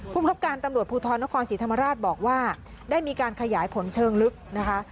ภูมิครับการตำรวจภูทรนครศรีธรรมราชบอกว่าได้มีการขยายผลเชิงลึกนะคะ